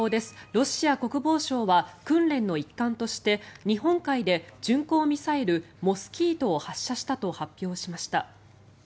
ロシア国防省は訓練の一環として日本海で巡航ミサイルモスキートを発射したと発表しました。